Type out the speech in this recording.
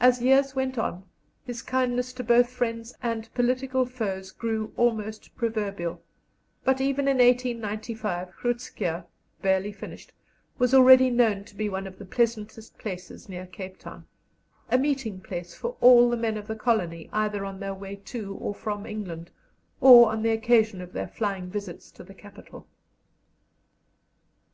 As years went on, his kindness to both friends and political foes grew almost proverbial, but even in 1895 Groot Schuurr, barely finished, was already known to be one of the pleasantest places near Cape Town a meeting place for all the men of the colony either on their way to and from England, or on the occasion of their flying visits to the capital.